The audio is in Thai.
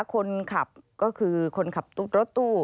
คนขับก็คือคนขับรถตู้